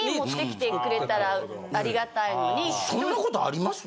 そんなことあります？